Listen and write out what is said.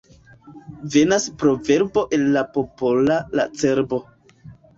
Venas proverbo el popola la cerbo.